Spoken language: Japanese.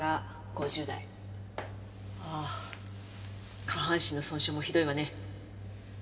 ああ下半身の損傷もひどいわね。